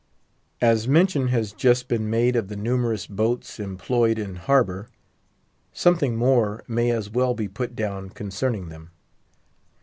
As mention has just been made of the numerous boats employed in harbour, something more may as well be put down concerning them.